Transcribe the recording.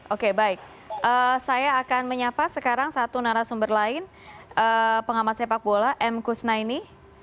oke baik saya akan menyapa sekarang satu narasumber lain pengamat sepak bola m kusnaini